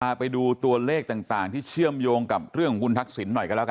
ไปดูตัวเลขต่างที่เชื่อมโยงกับเรื่องของคุณทักษิณหน่อยกันแล้วกัน